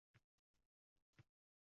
Changlar arir stol, javondan.